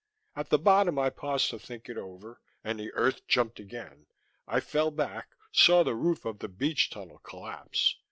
At the bottom I paused to think it over, and the earth jumped again. I fell back, saw the roof of the beach tunnel collapse.